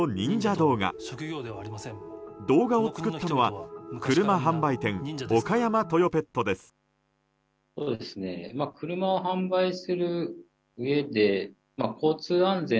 動画を作ったのは車販売店、岡山トヨペットです。